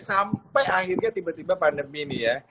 sampai akhirnya tiba tiba pandemi ini ya